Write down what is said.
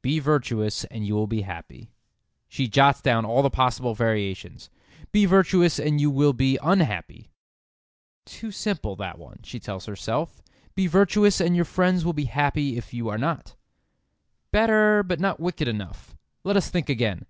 Be virtuous and you will be happy. She jots down all the possible variations: Be virtuous and you will be unhappy. "Too simple that one," she tells herself. Be virtuous and your friends will be happy if you are not. "Better, but not wicked enough. Let us think again.